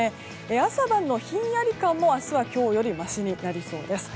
朝晩のひんやり感も明日は今日よりましになりそうです。